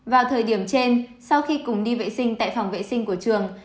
vào thời điểm trên sau khi cùng đi vệ sinh tại phòng vệ sinh của trường